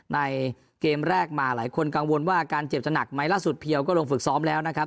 ในเกมแรกมาหลายคนกังวลว่าอาการเจ็บจะหนักไหมล่าสุดเพียวก็ลงฝึกซ้อมแล้วนะครับ